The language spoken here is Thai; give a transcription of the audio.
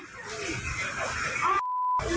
สวัสดีครับคุณผู้ชาย